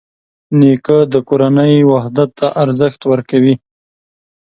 نیکه د کورنۍ وحدت ته ارزښت ورکوي.